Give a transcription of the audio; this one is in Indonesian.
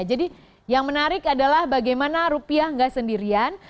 yang menarik adalah bagaimana rupiah nggak sendirian